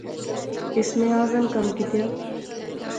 اسم اعظم کم کیتیا